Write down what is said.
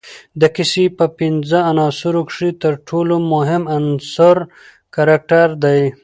د کیسې په پنځو عناصروکښي ترټولو مهم عناصر کرکټر دئ.